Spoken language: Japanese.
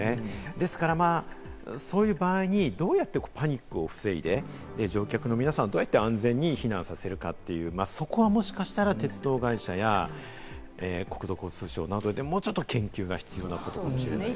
ですから、そういう場合にどうやってパニックを防いで、乗客の皆さんを安全に避難させるか、そこはもしかしたら鉄道会社や国土交通省などでもう少し研究が必要かもしれないですね。